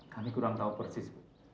kami kurang tahu persis